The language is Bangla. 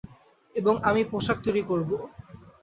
এবং আমি পোশাক তৈরি করবো।